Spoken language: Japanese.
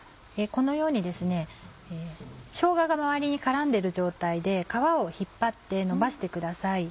このようにしょうがが周りに絡んでる状態で皮を引っ張って伸ばしてください。